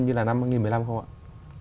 như là năm hai nghìn một mươi năm không ạ